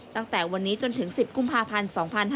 ตั้งแต่วันนี้จนถึง๑๐กุมภาพันธ์๒๕๕๙